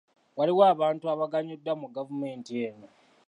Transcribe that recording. Waliwo abantu abaganyuddwa mu gavumenti eno.